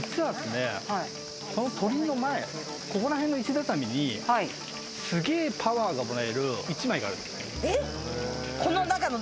鳥居の前、ここら辺の石畳にすげぇパワーがもらえる一枚の石があるんですよ。